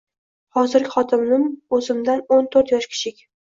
Hozirgi xotinim o`zimdan o`n to`rt yosh kichik